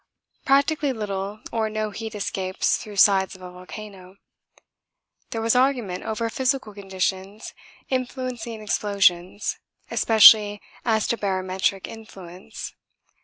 Practically little or no heat escapes through sides of a volcano. There was argument over physical conditions influencing explosions especially as to barometric influence.